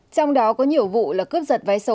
trong đó có nhiều vụ là cướp giật vé sâu